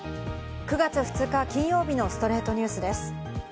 ９月２日、金曜日の『ストレイトニュース』です。